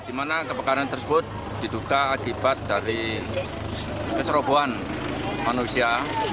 di mana kebakaran tersebut diduga akibat dari kecerobohan manusia